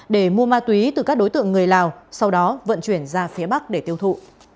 để mua ma túy từ các đối tượng người lào sau đó vận chuyển ra phía bắc để tiêu thụ